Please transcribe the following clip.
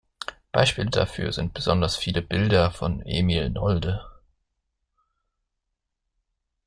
Beispiele dafür sind besonders viele Bilder von Emil Nolde.